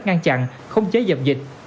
ngăn chặn không chế dập dịch